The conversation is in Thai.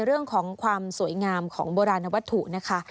เรื่องของความสวยงามของโบราณวัตถุนะคะ